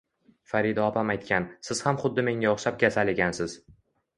Farida opam aytgan, siz ham xuddi menga o`xshab kasal ekansiz